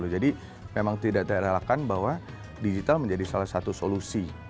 jadi memang tidak terlalakan bahwa digital menjadi salah satu solusi